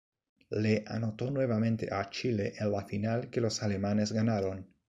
Le anotó nuevamente a Chile en la final, que los alemanes ganaron.